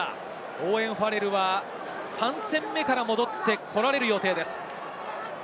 オーウェン・ファレルは３戦目から戻ってこられる予定です。